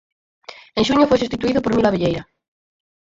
En xuño foi substituído por Milo Abelleira.